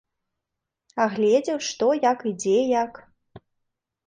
Агледзеў, што як і дзе як.